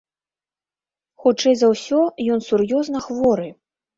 Хутчэй за ўсё, ён сур'ёзна хворы.